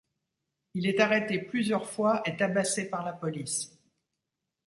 Il est arrêté plusieurs fois et tabassé par la police.